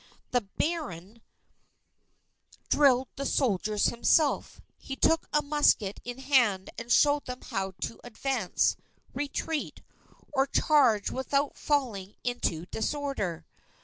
The Baron drilled the soldiers himself. He took a musket in hand and showed them how to advance, retreat, or charge without falling into disorder.